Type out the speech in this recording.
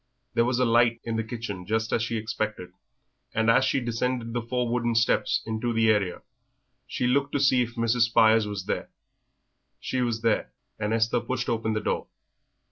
There was a light in the kitchen just as she expected, and as she descended the four wooden steps into the area she looked to see if Mrs. Spires was there. She was there, and Esther pushed open the door.